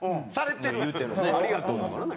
「ありがとう」だからね。